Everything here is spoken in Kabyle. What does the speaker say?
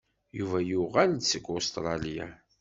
Yuba yuɣal-d seg Ustṛalya.